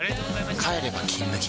帰れば「金麦」